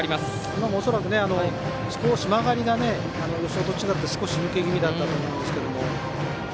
今も恐らく少し曲がりが予想と違って抜け気味だったと思いますが。